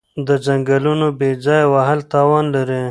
د ځنګلونو بې ځایه وهل تاوان لري.